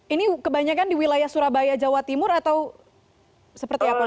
ini kebanyakan di wilayah surabaya jawa timur atau seperti apa